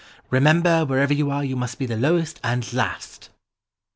Remember wherever you are you must be the lowest and last."